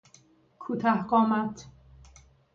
کوته قامت